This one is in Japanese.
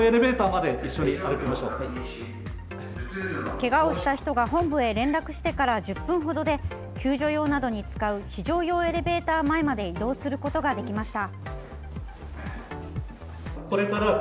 けがをした人が本部へ連絡してから１０分程で救助用などに使う非常用エレベーター前まで移動することができました。